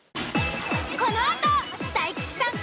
このあと大吉さん